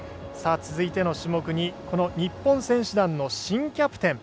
続いての種目にこの日本選手団の新キャプテン